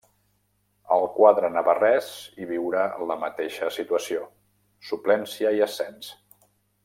Al quadre navarrès hi viurà la mateixa situació: suplència i ascens.